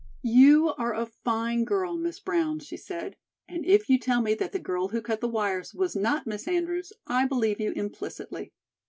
"You are a fine girl, Miss Brown," she said, "and if you tell me that the girl who cut the wires was not Miss Andrews, I believe you implicitly.